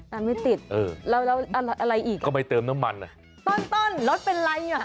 สตาร์ทไม่ติดแล้วอะไรอีกก็ไปเติมน้ำมันอ่ะต้นรถเป็นไรอ่ะ